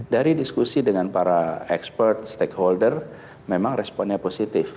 dari diskusi dengan para expert stakeholder memang responnya positif